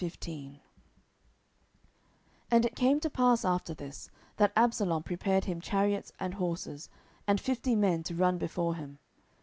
10:015:001 And it came to pass after this, that Absalom prepared him chariots and horses, and fifty men to run before him.